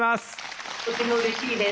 とてもうれしいです。